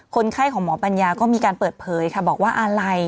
คนไข้ของหมอปัญญาก็มีการเปิดเผยค่ะบอกว่าอะไร